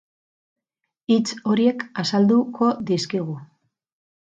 Hitz horiek azalduko dizkigu.